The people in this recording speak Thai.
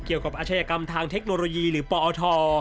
เกี่ยวกับอาชญากรรมทางเทคโนโลยีหรือปอท